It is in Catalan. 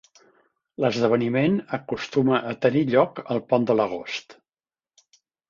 L'esdeveniment acostuma a tenir lloc al pont de l'agost.